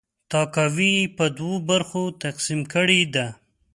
تاکاوی یې په دوه برخو تقسیم کړې ده.